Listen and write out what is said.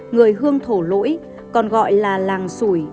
người hương thổ lỗi còn gọi là làng sủi